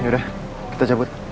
ya udah kita cabut